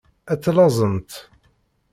Ad tellaẓemt.